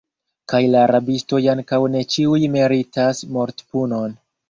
Kaj la rabistoj ankaŭ ne ĉiuj meritas mortpunon.